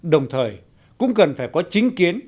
đồng thời cũng cần phải có chính kiến